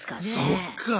そっか。